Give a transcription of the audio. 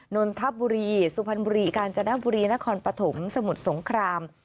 นนทบุรีสุพรรณบุรีกาญจนบุรีนครปฐมสมุทรสงคราม